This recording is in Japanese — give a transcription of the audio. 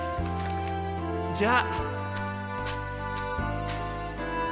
じゃあ。